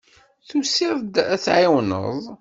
Tusiḍ-d ad ɣ-tɛiwneḍ?